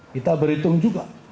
kita berhitung juga